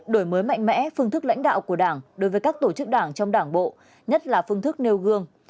đổi mới mạnh mẽ phương thức lãnh đạo của đảng đối với các tổ chức đảng trong đảng bộ nhất là phương thức nêu gương